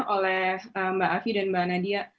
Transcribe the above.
oleh mbak afi dan mbak nadia